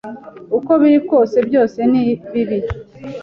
Uko biri kose byose ni bibi